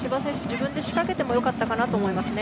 自分で仕掛けてもよかったかなと思います。